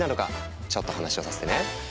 ちょっと話をさせてね。